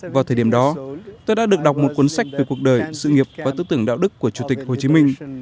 vào thời điểm đó tôi đã được đọc một cuốn sách về cuộc đời sự nghiệp và tư tưởng đạo đức của chủ tịch hồ chí minh